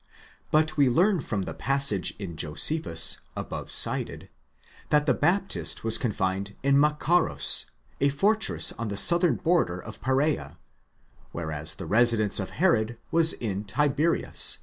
But we learn from the passage in Josephus above cited, that the Baptist was confined in Macherus, a fortress on the southern border of Persea, whereas the residence of Herod was in Tiberias